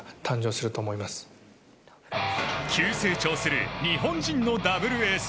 急成長する日本人のダブルエース。